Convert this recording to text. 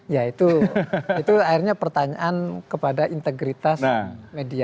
ya itu itu akhirnya pertanyaan kepada integritas medianya